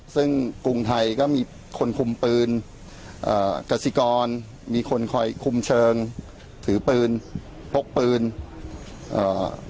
ซึ่งกรุงไทยก็มีคนคุมปืนเอ่อกสิกรมีคนคอยคุมเชิงถือปืนพกปืนเอ่อ